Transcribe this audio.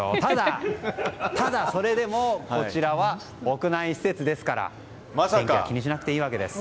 ただ、それでもこちらは屋内施設ですから天気を気にしなくていいわけです。